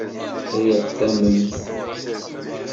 Riɣ tamemt.